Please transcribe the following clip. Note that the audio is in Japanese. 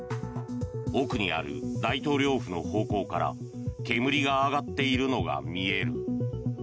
奥にある大統領府の方向から煙が上がっているのが見える。